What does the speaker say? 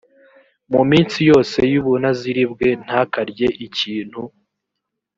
mu minsi yose y ubunaziri bwe ntakarye ikintu